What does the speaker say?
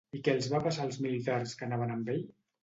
I què els va passar als militars que anaven amb ell?